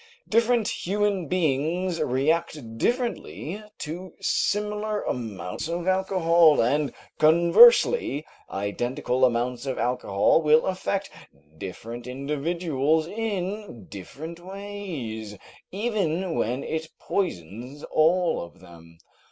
Different human beings react differently to similar amounts of alcohol, and conversely, identical amounts of alcohol will affect different individuals in different ways, even when it poisons all of them.